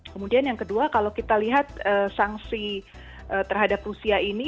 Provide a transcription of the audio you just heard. kemudian yang kedua kalau kita lihat sanksi terhadap rusia ini